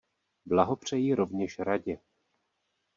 Blahopřeji rovněž Radě.